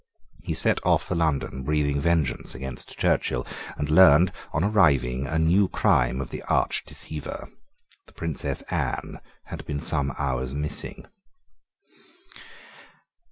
He set off for London, breathing vengeance against Churchill, and learned, on arriving, a new crime of the arch deceiver. The Princess Anne had been some hours missing.